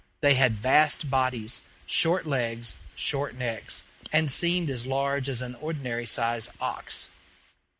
They had vast bodies, short legs, short necks, and seemed as large as an ordinary sized ox.